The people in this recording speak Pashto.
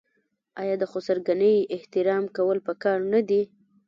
آیا د خسرګنۍ احترام کول پکار نه دي؟